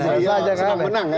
ya sudah menang kan